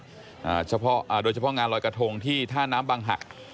โดยเฉพาะงานลอยกระทงที่ท่าน้ำบังหัก